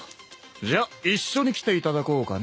じゃ一緒に来ていただこうかね。